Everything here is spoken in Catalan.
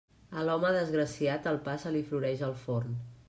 A l'home desgraciat, el pa se li floreix al forn.